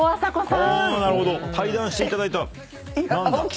対談していただいた？